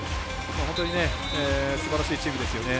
本当にすばらしいチームですよね。